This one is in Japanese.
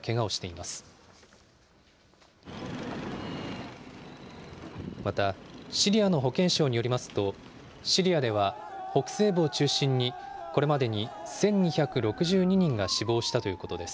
また、シリアの保健省によりますと、シリアでは北西部を中心に、これまでに１２６２人が死亡したということです。